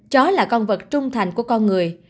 chó là con vật trung thành của con người